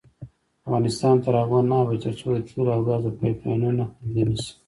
افغانستان تر هغو نه ابادیږي، ترڅو د تیلو او ګازو پایپ لاینونه خوندي نشي.